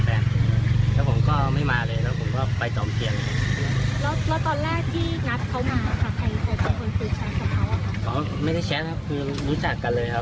พ่อก็ไม่ได้แชทครับรู้จักกันเลยครับ